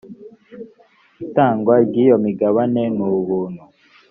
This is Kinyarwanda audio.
itangwa ryiyo migabane nubuntu.